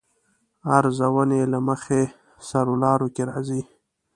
ارزونې له مخې سرلارو کې راځي.